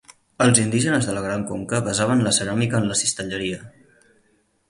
Els indígenes de la Gran Conca basaven la ceràmica en la cistelleria.